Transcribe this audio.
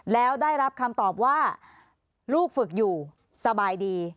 แล้วได้รับคำตอบว่าลูกฝึกอยู่สบายดี